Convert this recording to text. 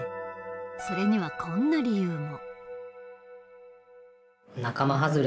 それにはこんな理由も。